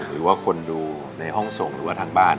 หรือว่าคนดูในห้องส่งหรือว่าทางบ้าน